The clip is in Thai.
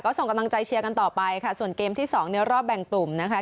ส่งกำลังใจเชียร์กันต่อไปค่ะส่วนเกมที่สองในรอบแบ่งกลุ่มนะคะ